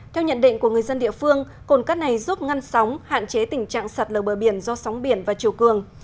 theo nhận định của người dân địa phương cồn cát này giúp ngăn sóng hạn chế tình trạng sạt lờ bờ biển do sóng biển và chiều cường